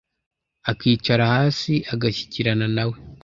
akicara hasi agashyikirana na we